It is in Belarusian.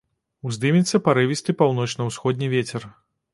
Уздымецца парывісты паўночна-ўсходні вецер.